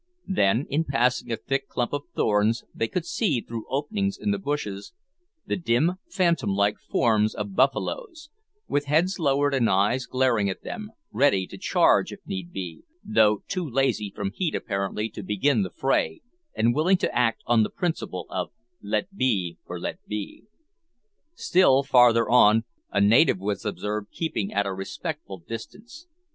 Then, in passing a thick clump of thorns, they could see, through openings in the bushes, the dim phantom like forms of buffaloes, with heads lowered and eyes glaring at them, ready to charge, if need be, though too lazy from heat, apparently, to begin the 'fray, and willing to act on the principle of "let be for let be." Still farther on, a native was observed keeping at a respectful distance.